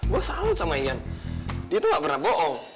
gue salut sama ian dia tuh gak pernah bohong